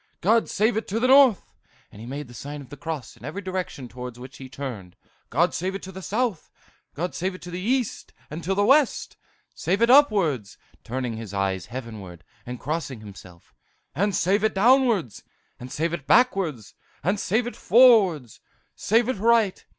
God save it to the north!' and he made the sign of the cross in every direction towards which he turned. 'God save it to the south! + to the east! + and to the west! + Save it upwards!' turning his eyes heavenward, and crossing himself, 'and save it downwards! + Save it backwards! + and save it forwards! + Save it right!